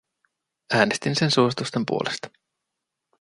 Äänestin sen suositusten puolesta.